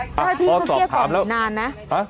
ต้องที่เขาเกลี้ยกล่อมอยู่นานนะ